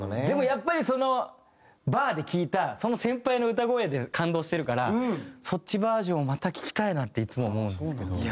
でもやっぱりそのバーで聴いたその先輩の歌声で感動してるからそっちバージョンをまた聴きたいなっていつも思うんですけど。